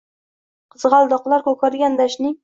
Qizg‘aldoqlar ko‘kargan dashtning